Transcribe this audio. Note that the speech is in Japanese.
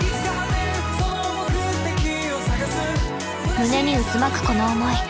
胸に渦巻くこの思い。